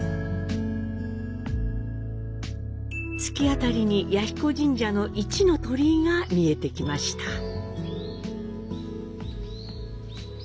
突き当りに彌彦神社の一の鳥居が見えてきました。